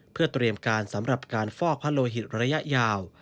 เพื่อเตรียมการสำหรับการฟอกพระโลหิตระยะยาว